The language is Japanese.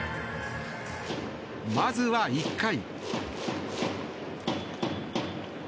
まずは１回。